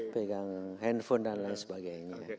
pegang handphone dan lain sebagainya